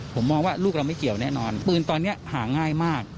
ผมมองว่าลูกเราไม่เกี่ยวแน่นอนปืนตอนนี้หาง่ายมาก